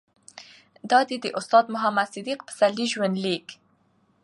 دا دي د استاد محمد صديق پسرلي ژوند ليک